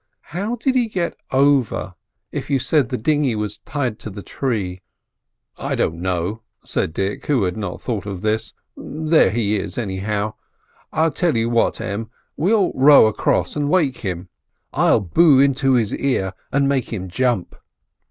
"How did he get over, if you said the dinghy was tied to the tree?" "I don't know," said Dick, who had not thought of this; "there he is, anyhow. I'll tell you what, Em, we'll row across and wake him. I'll boo into his ear and make him jump."